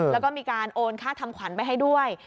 แล้วก็มีการโอนค่าทำขวัญไปให้ด้วย